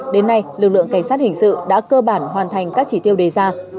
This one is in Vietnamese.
đến nay lực lượng cảnh sát hình sự đã cơ bản hoàn thành các chỉ tiêu đề ra